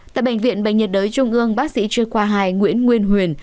tại bệnh viện bệnh nhiệt đới trung ương bác sĩ chuyên khoa hai nguyễn nguyên huyền